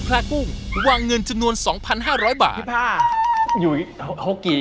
ถูกปะเนี่ยถูก